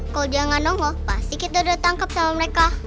kalau dia gak nongol pasti kita udah tangkap sama mereka